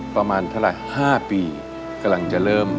ประมาณเท่าไหร่๕ปีกำลังจะเริ่ม